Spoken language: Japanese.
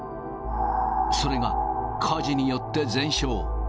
それが火事によって全焼。